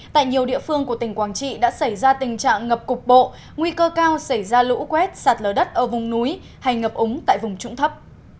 tại nhiều địa phương của tỉnh quảng trị đã xảy ra tình trạng ngập cục bộ nguy cơ cao xảy ra lũ quét sạt lở đất ở vùng núi hay ngập úng tại vùng trũng thấp